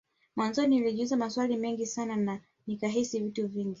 Mwanzoni nilijiuliza maswali mengi sana na nikahisi vitu vingi